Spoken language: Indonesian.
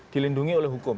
dilindungi oleh hukum